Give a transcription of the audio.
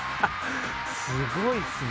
すごいっすね。